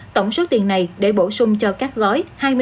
tổng số tiền này để bổ sung cho các đồng tiền